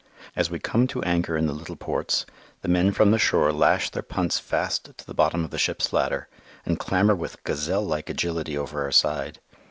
As we come to anchor in the little ports, the men from the shore lash their punts fast to the bottom of the ship's ladder, and clamber with gazelle like agility over our side.